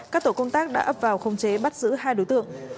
các tổ công tác đã ập vào không chế bắt giữ hai đối tượng